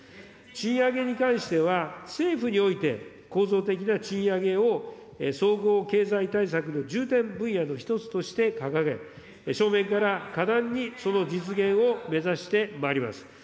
賃上げに関しては、政府において構造的な賃上げを総合経済対策の重点分野の一つとして掲げ、正面から果断にその実現を目指してまいります。